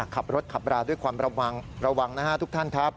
ขับรถขับราด้วยความระวังระวังนะฮะทุกท่านครับ